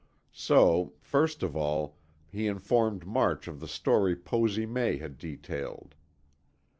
So, first of all he informed March of the story Posy May had detailed.